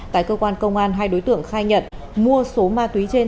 tại cơ quan công an hai đối tượng khai nhận mua số ma túy trên